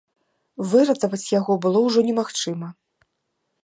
Выратаваць яго было ўжо немагчыма.